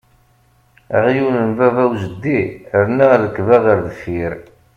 Aɣyul n baba u jeddi rniɣ rrekba ɣer deffier!